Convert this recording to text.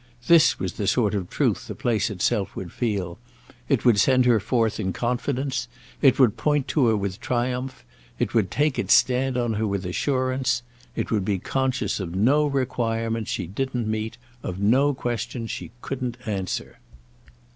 This was the sort of truth the place itself would feel; it would send her forth in confidence; it would point to her with triumph; it would take its stand on her with assurance; it would be conscious of no requirements she didn't meet, of no question she couldn't answer.